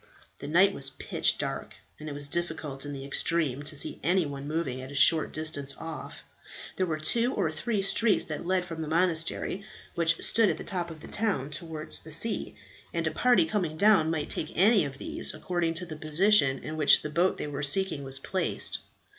The night was pitch dark, and it was difficult in the extreme to see any one moving at a short distance off. There were two or three streets that led from the monastery, which stood at the top of the town, towards the sea; and a party coming down might take any of these, according to the position in which the boat they were seeking was placed.